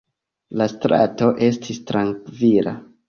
La strato estis trankvila.